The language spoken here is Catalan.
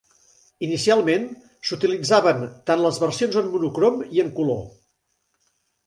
Inicialment, s'utilitzaven tant les versions en monocrom i en color.